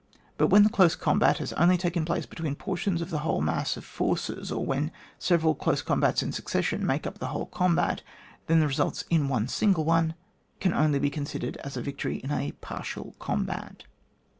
But when the close combat has only taken place between portions of the whole mass of forces, or when several close combats in succession make up the whole combat, then the result in one single one can only be considered as a victory in a partial combat.